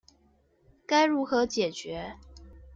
該如何解決